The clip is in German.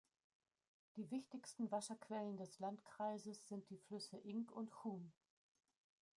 Die wichtigsten Wasserquellen des Landkreises sind die Flüsse Ing und Chun.